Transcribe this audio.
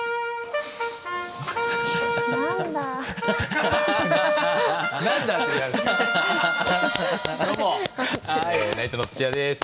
どうもナイツの土屋です。